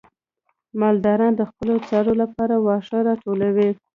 مالداران د خپلو څارویو لپاره واښه راټولوي.